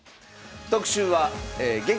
特集は「激闘！